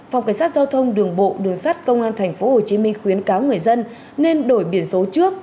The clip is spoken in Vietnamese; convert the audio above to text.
phòng cảnh sát giao thông đường bộ đường sát công an tp hcm khuyến cáo người dân nên đổi biển số trước